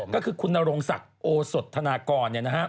ก็คือคุณนรงศักดิ์โอสดธนากร